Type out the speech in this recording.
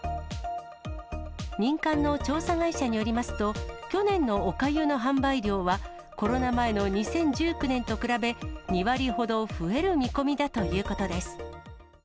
民間の調査会社によりますと、去年のおかゆの販売量は、コロナ前の２０１９年と比べ、２割ほど増える見込みだということです。